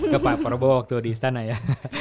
ke pak prabowo waktu di istana ya